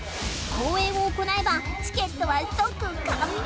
公演を行えばチケットは即完売